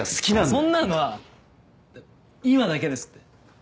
そんなのはい今だけですって。